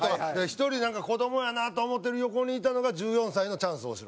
１人子どもやなと思ってる横にいたのが１４歳のチャンス大城。